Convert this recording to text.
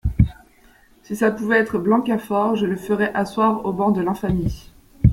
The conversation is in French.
Si ça pouvait être Blancafort ! je le ferais asseoir au banc de l’infamie.